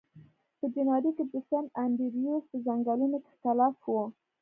په جنوري کې د سن انډریوز په ځنګلونو کې ګلف و